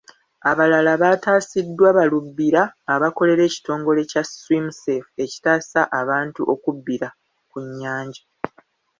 Abalala baataasiddwa balubbira abakolera ekitongole kya Swim Safe ekitaasa abantu okubbira ku nnyanja.